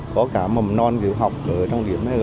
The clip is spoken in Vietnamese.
có cả mầm non kiểu học ở trong điểm này